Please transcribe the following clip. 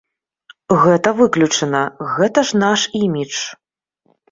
Гэта выключана, гэта ж наш імідж.